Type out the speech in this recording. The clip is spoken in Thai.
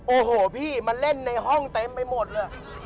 โอ้โหพี่มาเล่นในห้องเต็มไปหมดเลย